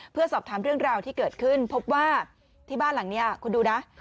เพื่อสอบถามเรื่องราวที่เกิดขึ้นพบว่าที่บ้านหลังนี้คุณดูนะ